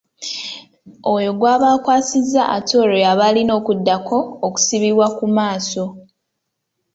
Oyo gw’aba akwasizza ate olwo y’aba alina okuddako okusibibwa ku maaso.